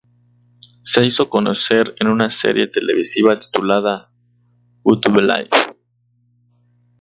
Se hizo conocer en una serie televisiva titulada "Got to Believe".